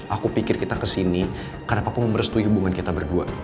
aku pikir kita kesini karena papa mau merestui hubungan kita berdua